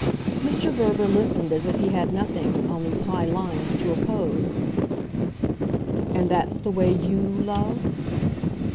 Mr. Verver listened as if he had nothing, on these high lines, to oppose. "And that's the way YOU love?"